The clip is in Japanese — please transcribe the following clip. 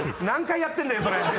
何回やってんだよそれ。